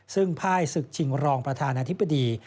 ซึ่งภายศึกชิงรองประธานาธิบดี